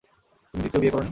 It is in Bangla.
তুমি দ্বিতীয় বিয়ে করো নি?